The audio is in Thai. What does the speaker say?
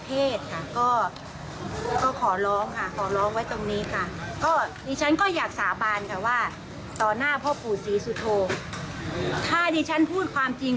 ถ้าดิฉันพูดความจริง